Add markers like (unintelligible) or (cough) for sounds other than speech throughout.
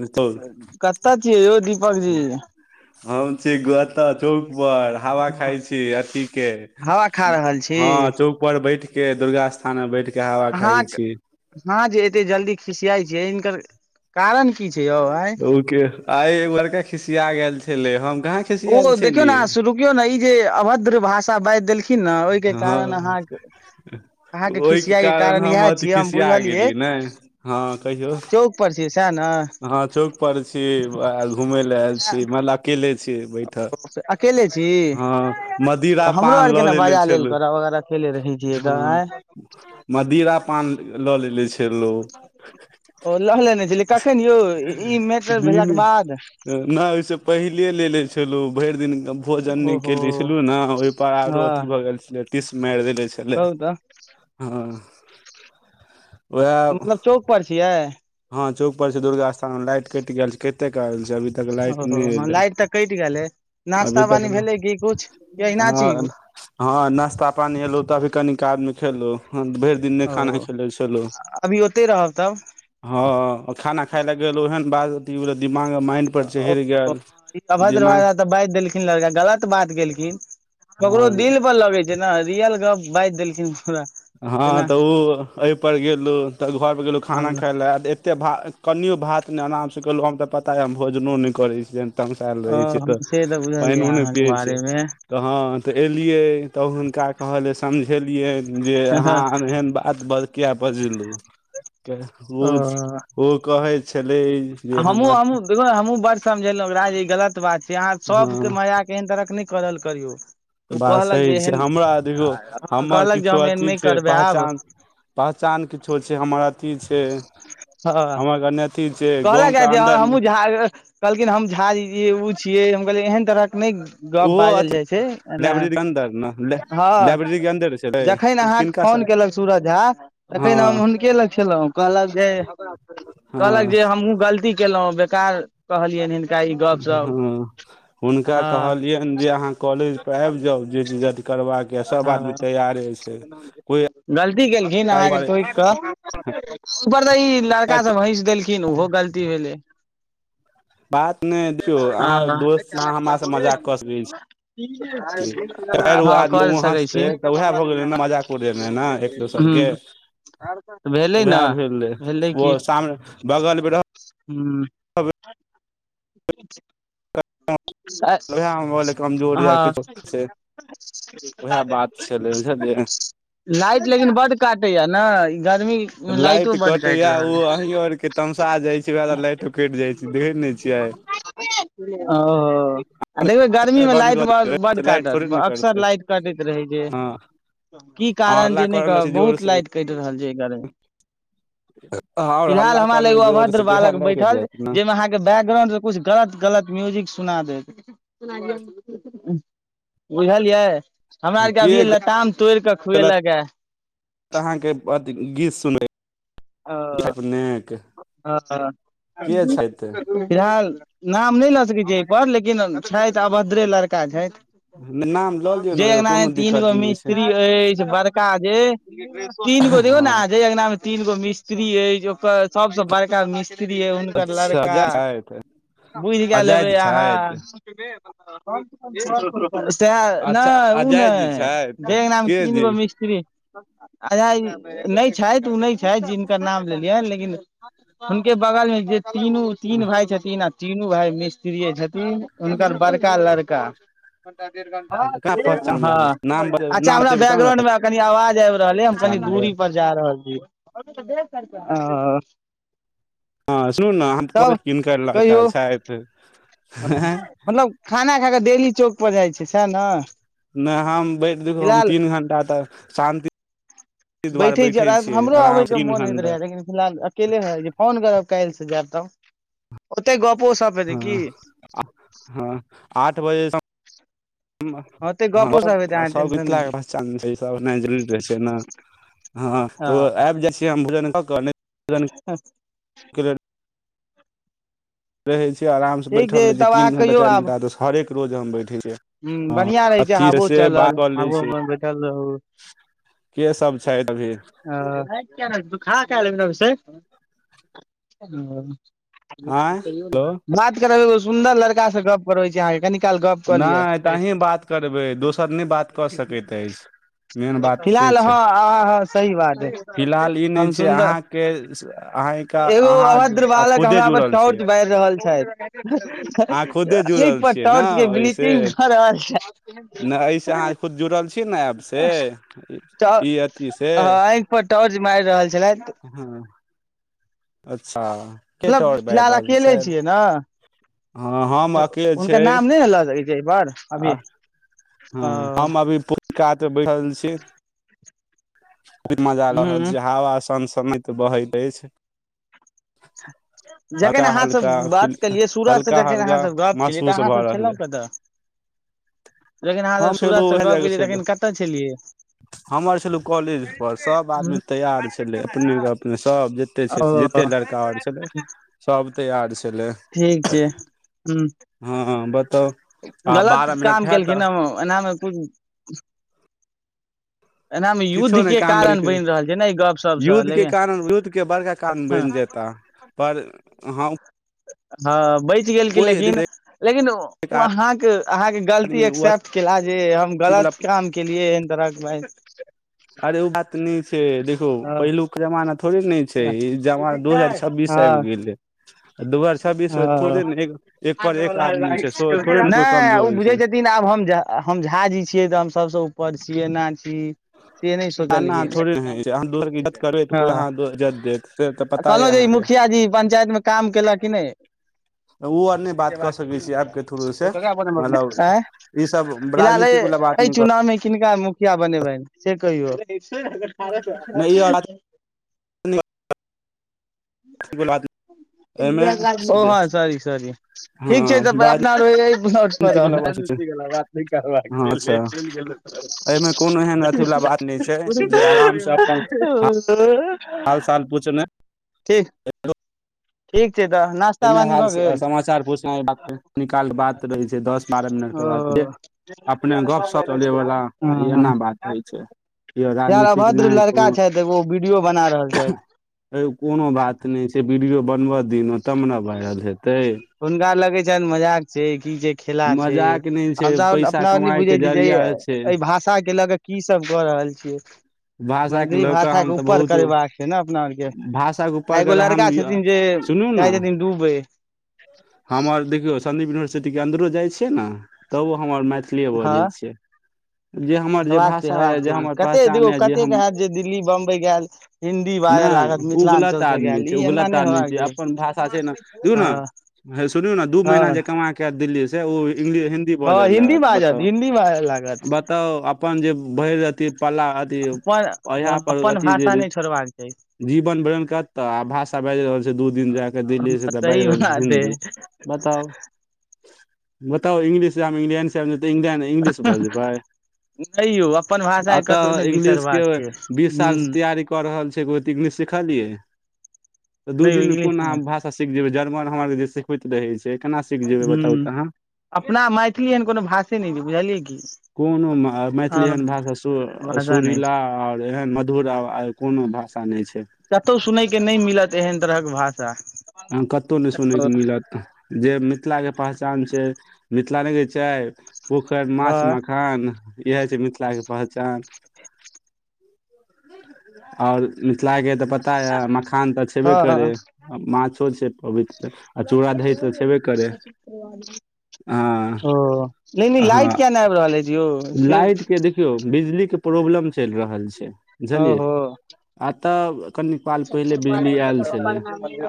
हम कतऽ छियै यौ दीपक जी हम छी तऽ चौक पर हवा खाय छी अथी के हवा खा रहल छी हँ चौक पर बैठ के दुर्गा स्थान मे बैठ के हवा खाय छी हँ जे एते जल्दी खिसियाइ छियै हिनकर कारण की छै यौ आँय ओके आइ लड़का खिसिया गेल छले हम कहा ओ देखियौ ने शुरुकियौ ने ई जे अभद्र भाषा बाजि देलखिन किन न ओहिके कारण हँ अहाँके अहाँके ओहिके खिसियाई के कारण हम इह अथि छियै हम खिसिया बुझलियै गेलियै ने हँ कहियौ चौक पर छियै सेह न हँ चौक पर छी घूमे ले आयल छी मतलब अकेले छी बैठल अकेले छी हँ मदिरा पान लऽ ललेे छलू खेले रही छियए त नाई मदिरा पान लऽ लेलेे छी ओ लह लेने छलय कखेन यौ ई मैटर भेलाके लीले बाद चलहुँ भरि दिन भोजन नहि ओहो कनेे छलहुँ ने ओहिपर आरो हँ अथी भऽ गेल छलू टीस मैर देने छै कहू त हँ उएह मतलब चौक पर छियै हँ चौक पर छी दुर्गा स्थान में लाइट कटि गेल छै कते काल छै अभी तक लाइट नहि ओ एलै लाइट तऽ कटि गेलै अभी नाश्ता तक पानी भेलै कि कुछ कि अहिना छी ओ ह हँ नास्ता पानी एलु तभी कनिक आदमी खेलु ओ अभी ओते रहब तब हँ खाना खााय ल गेल ओहेन बात अ दिमाग माइंड पर ओ चहरि गेल अभद्द्र दिमाग तऽ बाजि देलखिन लड़का गलत बात केलखिन ककरो हँ दिल पर लगे छै ने रियल गप बाजि देलखिन पूरा हँ केना तऽ ओ एहिपर गेलहुँ तऽ घर पर गेलहुँ खाना खाय ओ लए त एतेक भात कनियो भात नहि आरामसँ कलहुँ हम तऽ पता यइ हम भोजनो नहि करै छियअनि तमसाइल रहै छै तऽ से बुझल पायनो य ने अहाँके पियै छैय बारे मे तहँ तऽ एयलियै तऽ हुनका कहलै समझेलियनि जे अहाँ एहन बात बड़ किया बजलू ओ ओ कहे छले हमहुँ हमहुँ देख ने हमहूँ बड़ समझेलहुँंकरा ई गलत बात छै अहाँ सबके हँ मजाक एहन तरहक नै करल करियौ ओ बात कहलक सही जे छै एहन हमरा देखियो हमर कहलक जे किछो हम एहन अथी नहि छै करबै आब पहचान पहचान किछो छै हमर अथी छै हँ हमर कने अथी छै कहल गाँव के क जे अन्दर हमहु झा कहलखिन हम झा ओ छियै हम कहलै एहन तरह के नहि गप ओहो बाजल अथी जाइ छै एना लाइब्रेरी के अन्दर ने हँ लाइब्रेरी के अन्दर छलै जखैन अहाँके किनका फोन स केलक सूरज झा हँ तखन हम हुनके लग छलहुं कहलक जे कहलक हँ जे हमहूँ गलती केलहुँ बेकार कहलियनि हिनका ई गपशप हँ हुनका हँ कहलियनि जे अहाँ कॉलेज पर आब जाउ जे चीज आहाँक अथि करबाक यऽ सब आदमी हँ तैयारे छै कोइ गलती केलखिन अहाँके टोोकि कऽ ऊपर स ई लड़का सब हैस देलखिन ओहो गलती भेलै बात नहि देखियौ अहाँ दोस्त अहाँ हमरा से मजाक कऽ सकै छी चारि ह गो ह आदमी कर ओ सकै हँसते छी तऽ उएह भऽ गेलै ने मजाक उड़ेनाइ ने एक दोसर हू के तऽ भेलै ने भेलै की ओ सामने बगल मे हू रह उएहमे बोल कमजोर या किछो से हँ उएह बात छलै बुझलियै लाइट लेकिन बड्ड काटैया ने ई गर्मी मे लाइटो लाइट बड्ड काटि कटैया रहल ओ है अहीं आर के तमशा जाइ छियै व‌एह दुआरे लाइटो कटि जाइ छै देखै ने छियै ओ नेई गर्मी मे बंद लाइट कऽ ब देबै बड्ड तऽ लाइट काटत थोड़े ने करतै अक्सर लाइट कटैत रहै छै हँ आब की अहाँ कारण हल्ला जे करऽ नहि लगै कहब छी जोर बहुत से लाइट कटि रहल छै एह गर्मी मऽ आओर फिलहाल हल्ला हम लग करबै जोर अभद्र से तऽ इएह बालक लाइट कटि बैठल जायत जाहिमे आहाँक बैकग्राउंड सँ गलत गलत म्यूजिक सुना देत बुझलियै हमरा ने अरके के अभिये लताम तोड़ कऽ खुएऐलक हे तऽ अहाँके अथि गीत सुनबै ओ अपनेक हँ के छथि फिलहाल नाम नहि लऽ सकै छियै एहिपर लेकिन छथि अभद्रे लड़का छथि नाम ल जेय अंगनामे तीन गो मिस्त्री अछि बड़का जे तीन गो देखौ न हँ अहाँ जेय अंगना मे तीन गो मिस्त्री अछि ओकर सबसँ बड़का मिस्त्री अधि हुनकर अच्छा लड़का अजय छथि बुइझ गेल अजय हेबै जी छथि अहाँ (unintelligible) सह अच्छा नहि ओ अजय नहि जी छथि जय अंगनामे के तीन जी गो मिस्त्री आय आय नहि छथि उ नहि छथि जिनकर नाम लेलियनि लेकिन हुनके बगल मे जे तीनू तीन भाय छथिन आ तीनू भाय मिस्त्रिये छथिन हुनकर बड़का लड़का हँ केना पहचानबै हम नाम बते अच्छा नाम हमरा बतेबै तब ने बैकग्राउंड मे कनि आवाज आबि रहलै हम कनी पहचानबै दूरी पर जा रहल छी ओ हँ सुनू न हम तब कहबैत किनकर लड़का कहियौ छथि मतलब खाना खा कऽ डेली चौक पर जाइ छै सैह नऽ नहि हम बैट देतो हम तीन घण्टा तक शान्ति दुआरे बैठे छिय छियै हमरो आराम अबय से के तीन मोन होइत घंटा रहै लेकिन फिलहाल अकेले भऽ जाय छिये फोन करब काल्हि से जायब तब ओते गपो सप हेतै की आ हँ आठ बजे सँ ओते हँ गपो सब सप हेतै अहाँ सब टेंशन नहि मिथिलाके लिअ पहचान छै सब जरुरी रहै छै न हँ तो आबि जाइ छी हम भोजन क कऽ नइ हँ रहै छै आरामसँ ठीक बैठल रहै छै तब तीन अहाँ घण्टा कहियौ चारि घण्टा तऽ हरेक रोज हम बैठै छियै हुँ हँ बढ़िया रहै छै अथी हाबो से बात चलल कऽ लै आबो छै अपन बैठल रहू के सब छैथ अभी तू भाइग कीयाऽ रहय छिही तू खा कए आयल हेबी अभिषेक आँय कहियौ न हेलो बात करब एगो सुन्दर लड़का सँ गप करबै छी अहाँके कनि काल गप कऽ लियऽ नहि तऽ अहीं बात करबै दोसर नहि बात कऽ सकैत अछि मेन बात से फिलहाल छै हँ हँ हँ सही बात हैय फिलहाल ई नहि हम छै सुन्दर अहाँके अहाँके एगो अभद्र अहाँ बालक खुदे हमरा पर जुड़ल छियै टॉर्च बारि रहल छैथ अहाँ खुदे जुड़ल छियै (unintelligible) ने टर्चकेँ ओहिसे ब्लीचिंग क रहल छैथ नहि एहिस अहाँ खुद जुड़ल छियै ने ऐप से (unintelligible) ट ई अथी से हँ आँखि पर टॉर्च मारि रहल छलैथ हँ अच्छा के मतलब टौर्च बाइर फिलहाल रहल अकेले छै छियै न हँ हम अकेले हुनकर नाम नहि न लऽ सकैत छिये एहि पर आ अभी ओ हँ हम अभी कात बैठल छी बहुत मजा ल रहल हूँ छी हवा सन सनाइत तऽ बहैत अछि (inaudible) जखन हल्का अहाँसभ हल्का बात फील केलियै सूरजसँ हल्का जखन हल्का अहाँसभ गप केलियै महसूस तखन भऽ अहाँसभ रहल यै छलहुँ कतऽ (inaudible) जखन अहाँ हम छलहुँ सूरज से गप कालियै तखन कतऽ छलियै। हम छलहुँ कॉलेज पर सभ आदमी तैयार छलै, अपने गप मे सभ जते छथि ओ जते लड़का। आओर छल सभ तैआर छलै। हँ, ठीक छै हूँ हँ बताउ। आ गलत बारह मिनट काम हैत केलखिन ओ एनामे। एनामे (inaudible) किछो युद्ध नहि के काम मे कारण बनि रहल छै ने ई गप सबसँ युद्धके लेकिन करन युद्धके बड़का कारन बनि जेता त पर हैं ओ हँ, बचि गलखिन लेकिन लेकिन ओ आदमी अहाँकेँ अहाँकेँ गलती ओ एक्सेप्ट केला जे हम अथी वाला गलत काम। केलीये हन तरक बाय अरे ओ बात नहि छै, देखो हँ पहिलुक जमाना थोड़े न छै। छै, हँ ई जमना दू हजार छब्बीस आबि हँ गेले। दू हजार छब्बीसमे थोड़े ने एक पर एक आदमी छै, सो थोड़े ने कोई कमजोर छै। दिन आब हम, हम झा जी छियै तऽ हम सभसँ ऊपर छियै एना छै। से नहि एना सोचलिये, थोड़े ने होइ छै अहाँ दोसर के इज्जत करबै तऽ है। कोइ आ अहाँ इज्जत देत से तऽ पता यै कहलू जे ई अहाँके मुखिया जी पंचायतमे काम केला कि नहि। ओ आर नहि बात कऽ सकै छी ऐप के थ्रू (unintelligible) से मतलब ऑंय। ई सब हिलाने राजनीतिक वला बात अय नहि कर चुल पता नई किनका मुखिया बनाबे से कहियौ नहि ई आर राजनीतिक (unintelligible) एहिमे ओ हँ, सोरेय, सोरेय ठीक छै, त हँ फेर अपना रौ अइ (unintelligible) राजनीतिक वला बात छै हँ अच्छा एहिमे कोनो एहन अथी वला बात नहि छै जे आराम से ओ अपन (unintelligible) हाल चाल पूछने ठीक, ठीक छै, तऽ ना नाश्ता एहिमे पानी हाल भऽ गेल समाचार पूछनाइ बात निकाल बात रहै छै दस बारह मिनट के ओ। बाद जे अपने गप सप चले वाला (unintelligible) ह, ह। एना बात होइ छै य यार राजनीतिक अभद्र नहि लड़का कोनो छै, ओ वीडियो बना रहल छै। ह, कोनो बात नहि छै, वीडियो बनबऽ दिहीन तब ने भएल छै। हुनका लगै छान मजाक छै, की खिलाफ छै, मजाक नहि छै हमसभ पैसा अपना नै कमाय के बुझे छै जे एहि जरिया छै एहि भाषाके लऽ के। की सभ भऽ रहल छियै। भाषा मैथिली के लऽ कऽ भाषाके हम तऽ ऊपर बहुत करेबाक छै, ने अपना आरके, भाषा के आ ऊपर एगो के हम लड़का छथिन जे सुनू ने जाई छथिन दुबई। हमर देखियौ सदीप यूनिवर्सिटीके अन्दरो जाइ छियै ने तब उ हमर मैथिल मैथिलीय हँ बजै छियै। जे हमर जे हेबाक छै भाषा यए हेबाक जे छै हमर कते हे पहचान देखियौ यए जे कते हम हैयत जे दिल्ली बंबई गेल हिन्दी बाजय नहि लागत ओ गलत मिथिलांचलसे आदमी गेल छै ओ ई एना गलत नहि आदमी हेबाक छै चाही अपन भाषा छै ने, दुइ हँ ने? सुनू ने, दू महीना हँ जे कमा कऽ एतऽ दिल्लीसँ। छै, ओ इंग्लिश-हिन्दी हँ बाजऽ हिन्दी लगत, बाजत बताउ। हिन्दी बाजऽ लागत तऽ ओ अपन जे भरि अथी पल्ला। अथि ओ अपन हँ इह‌ए पर अपन अथि जे भाषा रहै नहि छोड़बाक चाही जीवन बरन कतऽ आ भाषा बाजि रहल छै, दू दिन जय कऽ हँ दिल्लीसँ तऽ सही बाजि रहल छै, बात है हिन्दी बताउ, बताउ इंग्लिश जे आब इंग्लिश भऽ जेबै। नहि यौ अपन भा एतऽ तऽ इंग्लिशके बीस सालसँ तैयारी। कऽ रहल छल गोतीमे सिखलिये दू नहि यौ दिनमे इंग्लिश कोन अहा मे भाष अच्छा सीख जेबै जर्मन हम आरके जे सिखबैत रहै छै, केना सीख जेबै बताउ हूँ तऽ हाँ अपना मैथिली एहन कोनो भाषे नहि छै, बुझलियै कि कोनो मैथिली हैं। एहन भाषा सु सुरीला आओर एहन मधुर आ कोनो भाषा नहि छै कतहुं सुनयके नहि मिलत एहन तरहक भाषा एहन कतो नहि सुनैके मिलत जे मिथिला के पहचान छै मिथिला ने कहै छै पोखरि माछ मखान खान इएह छै मिथिलाके पहचान आओर मिथिला के तऽ पता है मखान तऽ छेबे हँ करे हँ माछ से पवित्र आ चूड़ा दही तऽ छेबे करै हँ ओ लेकिन ई लाइट हँ किया नहि आबि रहल अछि यौ से लाइट के देखियौ बिजली के प्रॉब्लम चलि रहल छै बुझलिय ओहो अतऽ कनिक काल पहले बिजली आयल छलै आ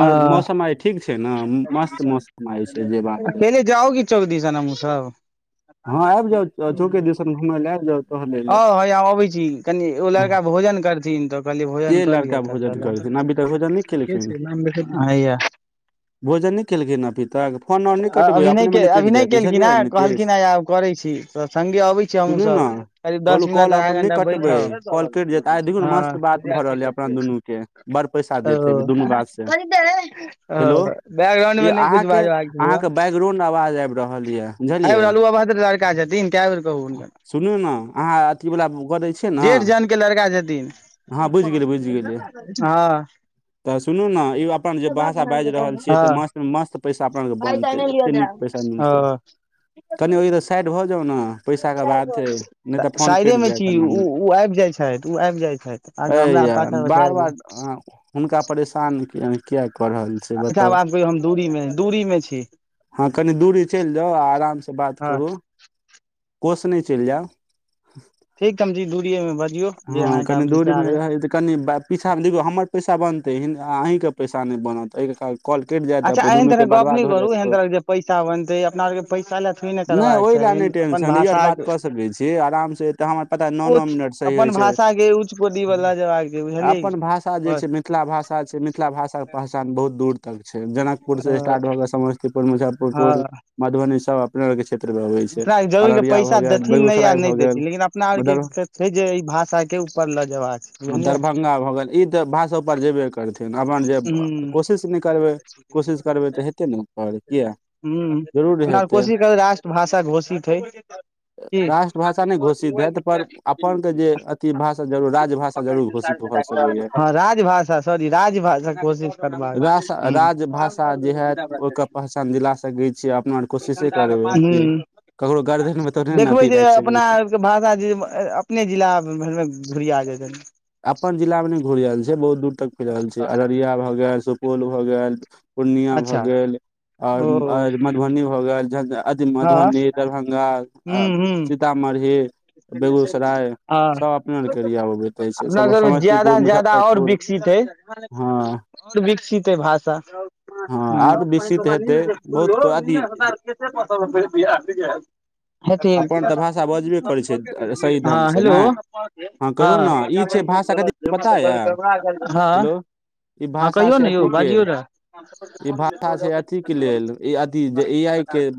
अ और मौसम आइ ठीक छै ने मस्त मौसम आइ छै जे बात छै अकेले चौक दिसन हमू सब हँ आबि जाउ आउ चौके दिसन घुमय लए आबि जाउ टहलै लए हँ हइया अबै छी कनि ओ लड़का भोजन करथिन तऽ कहलिए भोजन के लड़का कलियऽ तब भोजन चलब करथिन अभी तक भोजन नहि के केलखिन छै नाम देखया हया भोजन नहि केलखिन अभी तक फोन ओन नहि कटबै अभी अपने नहि मने अभी कटि नहि जायत केलखिन हे बुझलियै कहलखिन नीतेश हे आब करै छी तऽ सङ्गे अबै छी हमहुूँ ने सब करीब कहलू दस मिनट कॉल आधा अपन नहि घण्टा कटबै बैठब कॉल कटि जत आइ देखियौ ने हँ मस्त बात भ रहल ये अपना दुनू के बड़ पैसा ओ देते ओ दुनू बात से हेलो बैकग्राउंड ई मे नहि कुछ अहाँके बाजबाक छै बौआ अहाँके बैकग्राउंड आवाज आबि रहल यए आबि बुझलिए रहल अभद्र लड़का छथिन कए बेर कहू हुनका सुनू नऽ अहां अथी वला करय छिय जेठ जन के लड़का छथिन हँ बुझि गेलियै बुझि गेलियै हँ तऽ सुनू ने ई आब अपन जे भाषा बाजि रहल छियै हँ तऽ मस्त मस्त पैसा अपनासब के बनतै एते नीक पैसा ओ मिलतै तनि ओहि तऽ स साइड भऽ जाउ न पैसा क बात है नहि तऽ फोन साइडे कटि मे छी जायत उ एनामे उ आबि जाइ छथि ओ आबि जाइ छथि आगाँ हय हमरा यार पाछा पाछा बार आबि जाइ बार हुनका परेशान किया किया क रहल छै अच्छा आब बताउ आब कहियौ हम दूरी मे दूरी मे छी हँ कनि दूरी चलि जाउ आ आराम से बात हँ करु कोस नहि चलि जाएब ठीक हम जी दूरीए मे बस हँ कनि दूरीमे रहै तऽ कनि बात पीछाँ देखिियौ हमर पैसा बनतै ह अहीँके पैसा नहि बनत एहिके कारण कॉल कटि जाइत अच्छा एहन तरह गप्प नई करू एहन तरह पैसा बनते अपना और के पैसा ल नहि ओहि ले नहि टेंशन ई आर बात के कऽ सकै छी आराम से एते हमर पता नओ नओ उच्च मिनट से अपन भाषा के उच्च कोटि बला जबाक छै बुझलियै की अपन भाषा जे बस से मिथिला भाषा छै मिथिला भाषा के पहचान बहुत दूर त छै जनकपुर से स्टार्ट भऽ कऽ समस्तीपुर मुजफ्फरपुर हँ मधुबनी सब अपन क्षेत्रमे आबि छै। अपना जरूरी के अररिया भऽ पैसा गेल, देथिन नहि या बेगूसराय नहि भऽ गेल देथिन लेकिन अपना आरके दरभंगा छै जे ई भाषा के ऊपर लऽ जेयबाक छै बुझलियै दरभंगा भ गेल ई तऽ भाषा ऊपर जेबे कर करथिन अपन। जँ हूँ कोशिश नहि करबै, तऽ किएक हेतै? कोशिश करबै तऽ हेतै ने। किया ह जरूर अपना यर हेतै कोशिश करबे राष्ट्रभाषा घोषित हइ राष्ट्रभाषा नहि घोषित हयत पर अपन की जे अथी भाषा जरूर राजभाषा जरूर घोषित भऽ सकैयऽ हँ राजभाषा सॉरी राजभाषा कोशिश करबाक ह राजभाषा जे हैत ओकर पहचान दिला सकैत छिय अपना ह कोशिशे करबै कि ककरो गरदनि में तऽ नै ने देखबै अथि जे राखि सकै अपना छै आरके भाषा जे अपने जिला भरिमे घुरिया जेतनि अपन जिलामे नहि घुर रहल छै। बहुत दूर तक फेलल छै। अररिया भऽ गेल सुपौल भऽ गेल पूर्णिया भए अच्छा गेल ओ आऔर मधुबनी भऽ गेल अ हँ ह मधुबनी दरभंगा ह आ सीतामढ़ी बेगूसराय हँ सब अपने आरके एरिया में अबैत अछि अपना सम सभ मे ज्यादा समस्तीपुर सँ ज्यादा आओर मुजफ्फरपुर विकसित हैय आ हँ विकसित हैय भाषा हँ आर (inaudible) विकसित हेतै बहुत अथि हथ अपन तऽ भाषा बजबे करै छै सही हँ ढंग से हेलो ने हँ कहियौ ने ई छै भाषा कथी पता यऽ हँ हेलो ई हँ भाषा कहियौ छै ने यौ अथी के बाजियौ ई भाषा छै अथी के लेल ई अथी जे ए आई रहए के